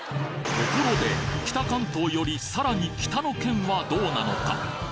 ところで北関東よりさらに北の県はどうなのか？